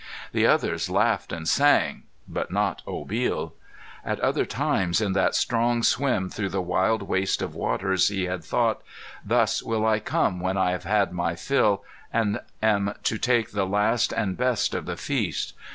The others laughed and sang, but not Obil. At other times in that strong swim through the wild waste of waters he had thought, "Thus will I come when I have had my fill and am to take the last and best of the feast.